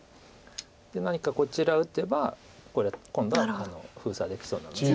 何かこちら打てばこれ今度は封鎖できそうなので。